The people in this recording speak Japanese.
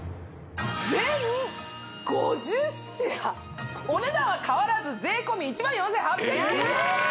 全５０品お値段は変わらず税込１万４８００円でーす！